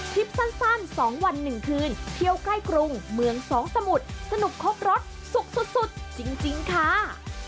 คลิปสั้น๒วัน๑คืนเที่ยวใกล้กรุงเมืองสองสมุทรสนุกครบรสสุกสุดจริงค่ะ